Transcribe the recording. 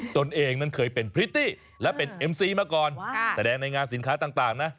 ตัวเองนั้นเคยเป็นพริตตี้และเป็นเอ็มซีมาก่อนแสดงในงานสินค้าต่างนะ